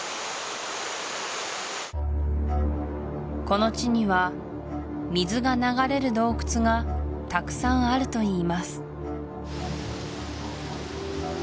この地には水が流れる洞窟がたくさんあるといいます